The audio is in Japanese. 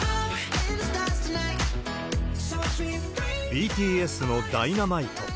ＢＴＳのＤｙｎａｍｉｔｅ。